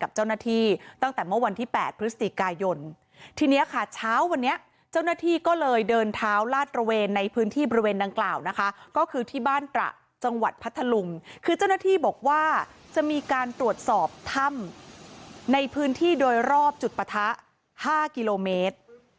คือเจ้าหน้าที่บอกว่าจะมีการตรวจสอบท่ำในพื้นที่โดยรอบจุดปะทะห้ากิโลเมตร